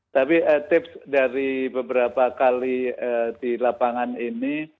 tapi tips dari beberapa kali di lapangan ini